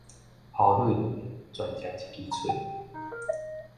糊瘰瘰，全食一支喙